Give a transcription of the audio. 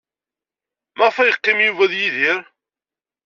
Maɣef ay yeqqim Yuba ed Yidir?